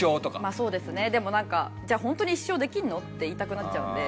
そうですねでもなんかホントに一生できんの？って言いたくなっちゃうんで。